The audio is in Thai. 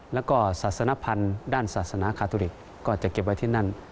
แล้วก็ศาสนพันธ์ด้านศาสนาคาทุริกก็จะเก็บไว้ที่นั่น